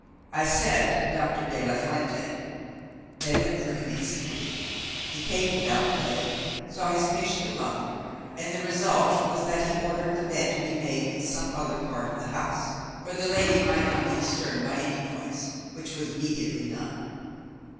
I said Doctor de la Fuente. They went for him instantly; he came without delay, saw his patient alone, and the result was that he ordered the bed to be made in some other part of the house, where the lady might not be disturbed by any noise, which was immediately done.